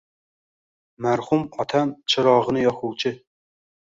Marhum otam chirogʼini yoquvchi